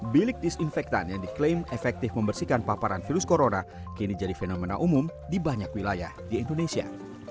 bilik disinfektan yang diklaim efektif membersihkan paparan virus corona kini jadi fenomena umum di banyak wilayah di indonesia